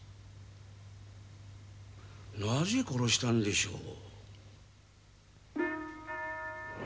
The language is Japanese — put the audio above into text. なぜ殺したんでしょう？